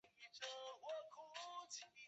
斯图加特号于战斗期间没有受损。